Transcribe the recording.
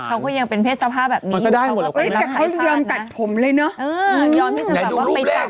เขายังเป็นเภสภาพแบบนี้แล้วก็ได้หมดแต่ก็เดินตัดผมเลยนะยอมไปตัดเลือกค่ะ